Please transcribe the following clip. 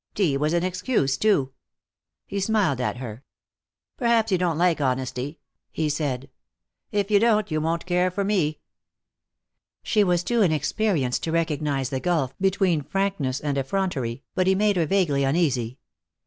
Tea was an excuse, too." He smiled at her. "Perhaps you don't like honesty," he said. "If you don't you won't care for me." She was too inexperienced to recognize the gulf between frankness and effrontery, but he made her vaguely uneasy.